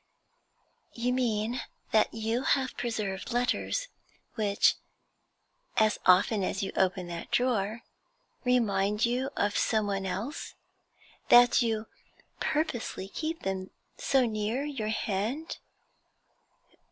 'You mean that you have preserved letters which, as often as you open that drawer, remind you of someone else? that you purposely keep them so near your hand?'